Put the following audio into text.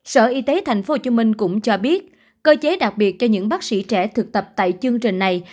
sở y tế tp hcm cũng cho biết cơ chế đặc biệt cho những bác sĩ trẻ thực tập tại chương trình này